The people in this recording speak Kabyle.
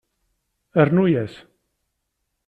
Rnu-yas.